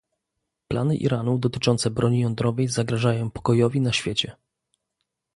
Plany Iranu dotyczące broni jądrowej zagrażają pokojowi na świecie